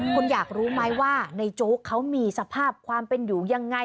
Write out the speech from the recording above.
คุณอยากรู้ไหมว่าในโจ๊กเขามีสภาพความเป็นอยู่ยังไง